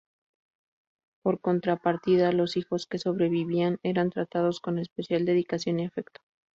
Por contrapartida, los hijos que sobrevivían eran tratados con especial dedicación y afecto.